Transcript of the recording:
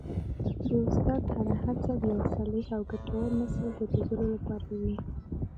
د استاد هره هڅه د یو صالح او ګټور نسل د روزلو لپاره وي.